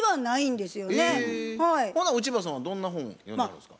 ほな内場さんはどんな本を読んではるんですか？